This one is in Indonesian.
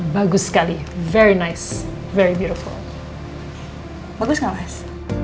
bagus kak mas